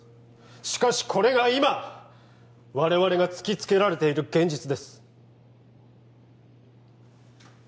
しかしこれが今我々が突きつけられている現実です